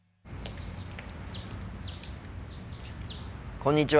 こんにちは。